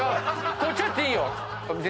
こっちだっていいよ全然。